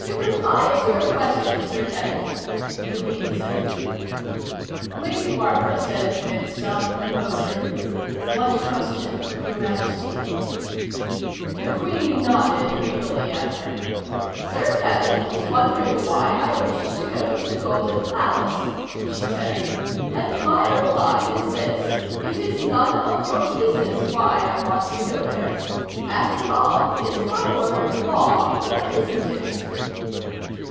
"To reply to your question, Sir Kenneth," the Queen said. Lady Barbara said, with some composure: "What question Your Majesty?" The Queen nodded regally at her. "Sir Kenneth was wondering why I wished to go to the Golden Palace," she said. "And my reply is this: it is none of your business why I want to go there. After all, is my word law, or isn't it?"